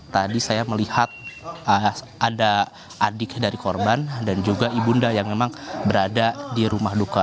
tadi saya melihat ada adik dari korban dan juga ibu unda yang memang berada di rumah duka